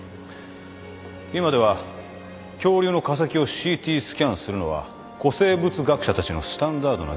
今では恐竜の化石をＣＴスキャンするのは古生物学者たちのスタンダードな技術となっている。